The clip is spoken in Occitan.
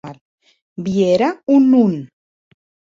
Vierà o non?